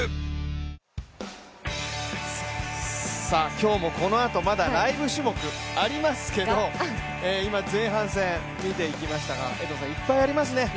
今日もこのあとまだライブ種目ありますけど今、前半戦見ていきましたが、江藤さん、いっぱいありますね。